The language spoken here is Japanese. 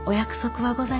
はい。